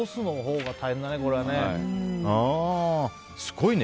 すごいね。